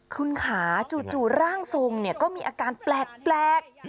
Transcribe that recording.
คุณขาจู่ร่างทรงก็มีอาการแปลก